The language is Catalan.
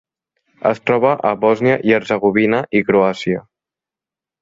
Es troba a Bòsnia i Hercegovina i Croàcia.